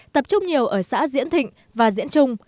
tập trung nhiều ở xã diễn thịnh và diễn trung